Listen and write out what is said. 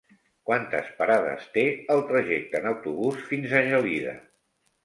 Quantes parades té el trajecte en autobús fins a Gelida?